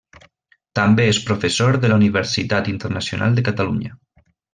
També és professor de la Universitat Internacional de Catalunya.